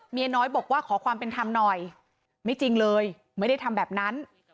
เมียน้อยบอกว่าขอความเป็นธรรมหน่อยไม่จริงเลยไม่ได้ทำแบบนั้น